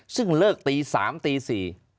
ซึ่งเลิกตี๓ตี๔